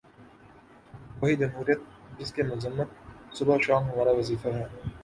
وہی جمہوریت جس کی مذمت صبح و شام ہمارا وظیفہ ہے۔